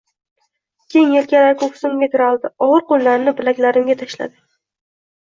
Keng elkalari ko`ksimga tiraldi, og`ir qo`llarini bilaklarimga tashladi